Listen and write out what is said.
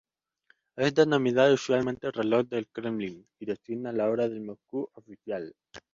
Es denominado usualmente Reloj del Kremlin y designa la hora de Moscú oficial.